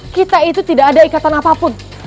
kita itu tidak ada ikatan apapun